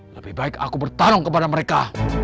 lebih baik aku bertarung kepada mereka